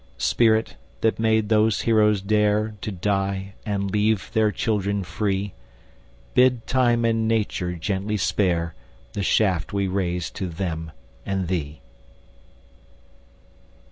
Spirit, that made those heroes dare To die, and leave their children free, Bid Time and Nature gently spare The shaft we raise to them and thee.